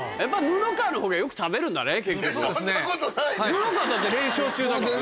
布川だって連勝中だもんね。